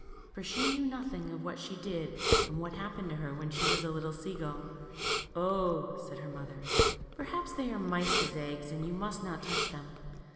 For she knew nothing of what she did and what happened to her when she was a little sea gull, 0," said her mother, perhaps they are mice's eggs, and you must not' touch them."